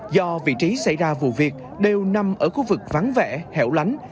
do vị trí xảy ra vụ việc đều nằm ở khu vực vắng vẻ hẻo lánh